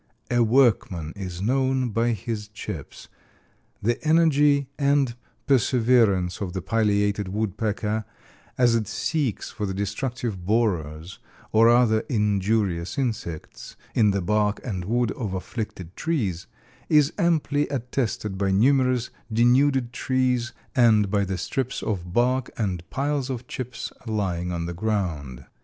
"A workman is known by his chips." The energy and perseverance of the Pileated Woodpecker, as it seeks for the destructive borers or other injurious insects, in the bark and wood of afflicted trees, is amply attested by numerous denuded trees and by the strips of bark and piles of chips lying on the ground.